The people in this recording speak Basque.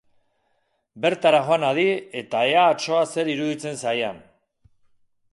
Bertara joan hadi eta ea atsoa zer iruditzen zaian.